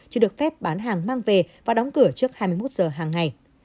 chưa được phép bán hàng mang về và đóng cửa trước hai mươi một giờ hàng ngày